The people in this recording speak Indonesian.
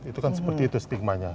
itu kan seperti itu stigma nya